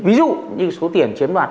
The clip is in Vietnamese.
ví dụ như số tiền chiến đoạt